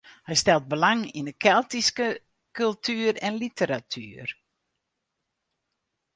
Hy stelt belang yn de Keltyske kultuer en literatuer.